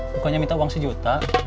bukannya minta uang sejuta